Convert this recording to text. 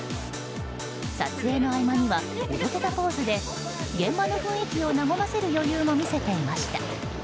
撮影の合間にはおどけたポーズで現場の雰囲気を和ませる余裕も見せていました。